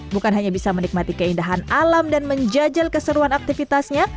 bukan hanya bisa menikmati keindahan alam dan menjajal keseruan aktivitasnya